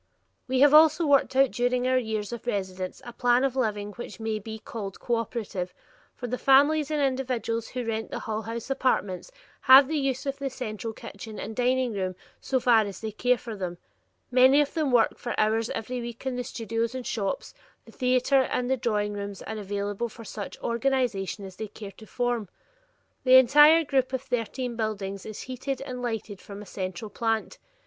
We have also worked out during our years of residence a plan of living which may be called cooperative, for the families and individuals who rent the Hull House apartments have the use of the central kitchen and dining room so far as they care for them; many of them work for hours every week in the studios and shops; the theater and drawing rooms are available for such social organization as they care to form; the entire group of thirteen buildings is heated and lighted from a central plant.